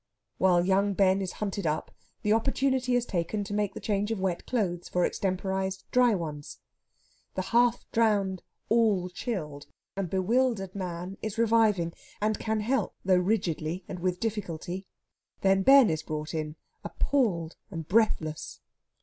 While young Ben is hunted up the opportunity is taken to make the change of wet clothes for extemporised dry ones. The half drowned, all chilled, and bewildered man is reviving, and can help, though rigidly and with difficulty. Then Ben is brought in, appalled and breathless.